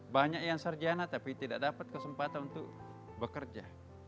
banyak yang sarjana tapi tidak dapat kesempatan untuk bekerja